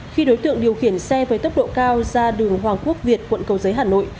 khi đối tượng điều khiển xe với tốc độ cao ra đường hoàng quốc việt quận cầu giấy hà nội